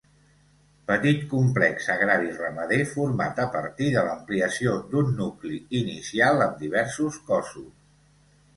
Petit complex agrari- ramader format a partir de l'ampliació d'un nucli inicial amb diversos cossos.